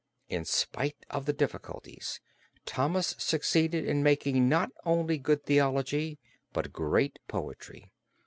In spite of the difficulties, Thomas succeeded in making not only good theology but great poetry.